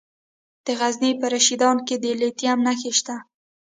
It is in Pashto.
د غزني په رشیدان کې د لیتیم نښې شته.